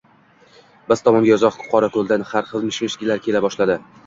Biz tomonga uzoq Qorako‘ldan har xil mish-mishlar kela boshladi.